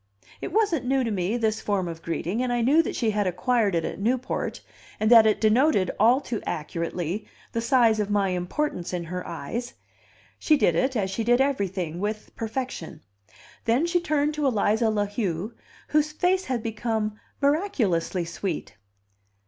It wasn't new to me, this form of greeting, and I knew that she had acquired it at Newport, and that it denoted, all too accurately, the size of my importance in her eyes; she did it, as she did everything, with perfection. Then she turned to Eliza La Heu, whose face had become miraculously sweet.